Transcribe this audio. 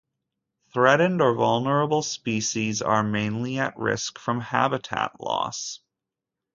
Threatened or vulnerable species are mainly at risk from habitat loss.